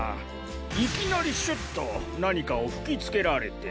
いきなりシュッとなにかをふきつけられて。